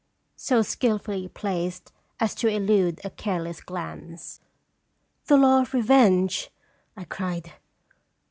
so skillfully placed as to elude a careless glance. "The law of re venge!" I cried.